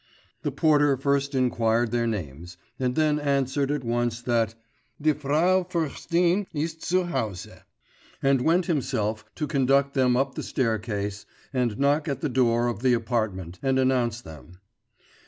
The porter first inquired their names, and then answered at once that 'die Frau Fürstin ist zu Hause,' and went himself to conduct them up the staircase and knock at the door of the apartment and announce them.